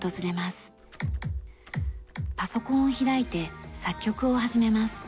パソコンを開いて作曲を始めます。